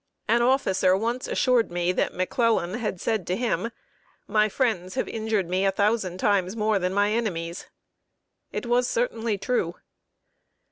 An officer once assured me that McClellan had said to him: "My friends have injured me a thousand times more than my enemies." It was certainly true.